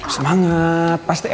semangat pasti enak